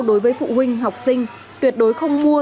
đối với phụ huynh học sinh tuyệt đối không mua